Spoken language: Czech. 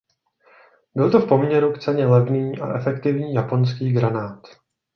Byl to v poměru k ceně levný a efektivní japonský granát.